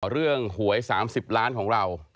เรื่องหวย๓๐ล้านของเรา